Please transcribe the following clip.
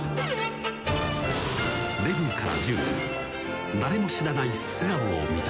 デビューから１０年誰も知らない素顔を見た